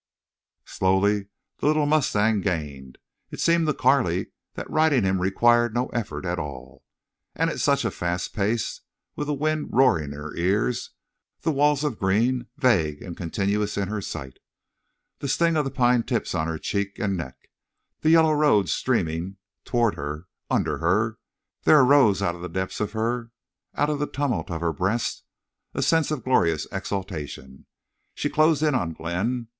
Slowly the little mustang gained. It seemed to Carley that riding him required no effort at all. And at such fast pace, with the wind roaring in her ears, the walls of green vague and continuous in her sight, the sting of pine tips on cheek and neck, the yellow road streaming toward her, under her, there rose out of the depths of her, out of the tumult of her breast, a sense of glorious exultation. She closed in on Glenn.